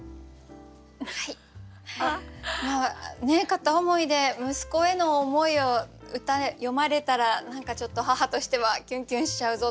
片思いで息子への思いを歌詠まれたら何かちょっと母としてはキュンキュンしちゃうぞと。